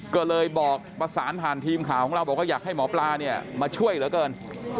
ก็เลยบอกประสานผ่านทีมข่าวของเราบอกว่าอยากให้หมอปลาเนี่ยมาช่วยเหลือเกิน